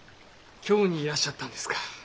京にいらっしゃったんですか？